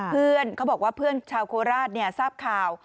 เพื่อนเขาบอกว่าเพื่อนชาวโคราชเนี่ยทราบข่าว